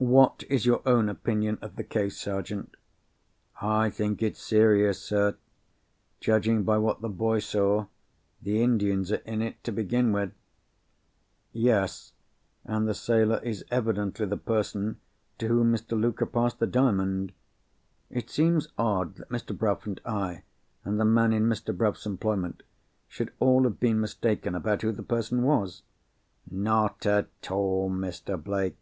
"What is your own opinion of the case, Sergeant?" "I think it's serious, sir. Judging by what the boy saw, the Indians are in it, to begin with." "Yes. And the sailor is evidently the person to whom Mr. Luker passed the Diamond. It seems odd that Mr. Bruff, and I, and the man in Mr. Bruff's employment, should all have been mistaken about who the person was." "Not at all, Mr. Blake.